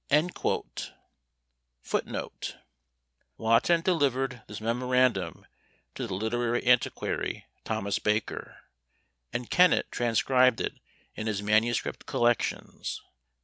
" FOOTNOTE: Wotton delivered this memorandum to the literary antiquary, Thomas Baker; and Kennet transcribed it in his Manuscript Collections.